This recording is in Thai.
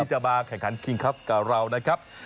จะมาแข่งขันคิงคลับกับเรานะครับ